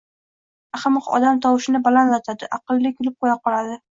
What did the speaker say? Ahmoq odam tovushini balandlatadi, aqlli kulib qoʻya qoladi